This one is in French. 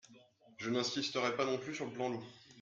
Je n’insisterai pas non plus sur le plan loup.